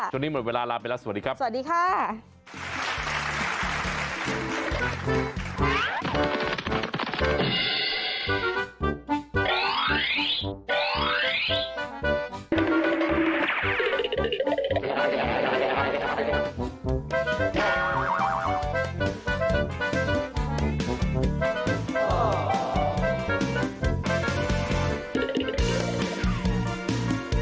จนนี้หมดเวลารอไปแล้วสวัสดีครับสวัสดีค่ะสวัสดีค่ะ